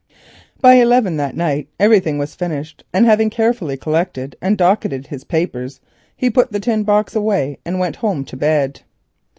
By eleven that night everything was finished, and having carefully collected and docketed his papers, he put the tin box away and went home to bed.